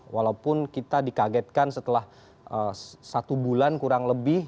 walaupun kita dikagetkan setelah satu bulan kurang lebih